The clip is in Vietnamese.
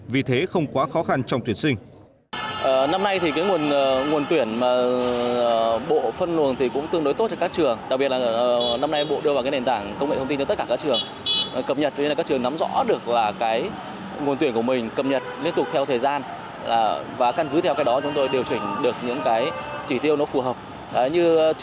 vì thế không quá khó khăn trong tuyển sinh